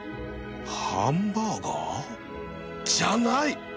ハンバーガーじゃない